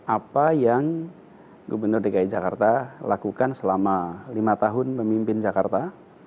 apa yang gubernur dki jakarta lakukan selama lima tahun memimpin jakarta